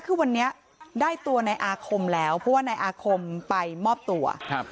คือวันนี้ได้ตัวในอาคมแล้วเพราะว่านายอาคมไปมอบตัวครับ